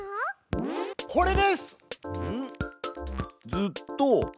「ずっと」